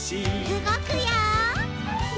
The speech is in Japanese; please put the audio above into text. うごくよ！